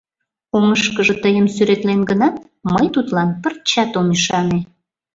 — Оҥышкыжо тыйым сӱретлен гынат, мый тудлан пырчат ом ӱшане.